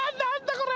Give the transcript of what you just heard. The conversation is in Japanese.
これ！